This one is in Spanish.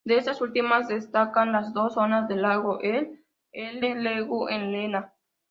De estas últimas destacan las de la zona del lago El L.legu en Lena.